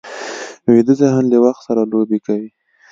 ویده ذهن له وخت سره لوبې کوي